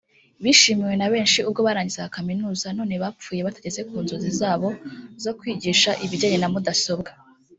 bishimiwe na benshi ubwo barangizaga kaminuza none bapfuye batageze ku nzozi zabo zo kwigisha ibijyanye na mudasobwa